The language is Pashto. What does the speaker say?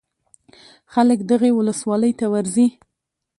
خلک دغې ولسوالۍ ته ورځي.